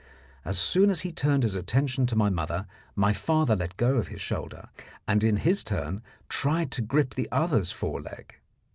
As soon as he turned his attention to my mother, my father let go of his shoulder, and in his turn tried to grip the other's fore leg.